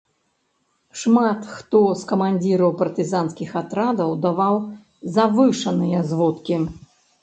Шмат хто з камандзіраў партызанскіх атрадаў даваў завышаныя зводкі.